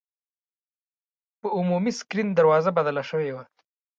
په عمومي سکرین دروازه بدله شوې وه.